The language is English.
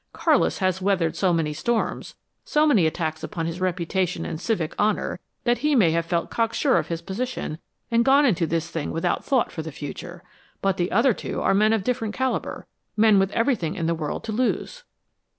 Carlis has weathered so many storms, so many attacks upon his reputation and civic honor, that he may have felt cocksure of his position and gone into this thing without thought for the future, but the other two are men of different caliber, men with everything in the world to lose."